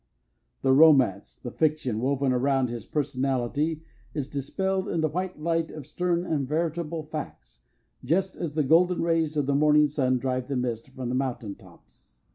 The romance, the fiction, woven around his personality is dispelled in the white light of stern and veritable facts, just as the golden rays of the morning sun drive the mist from the mountain tops.